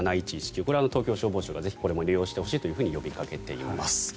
これは東京消防庁がぜひこれも利用してほしいと呼びかけています。